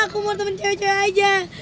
aku mau temen cewek cewek aja